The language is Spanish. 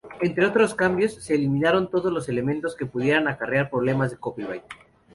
Entre otros cambios, se eliminaron todos los elementos que pudieran acarrear problemas de copyright.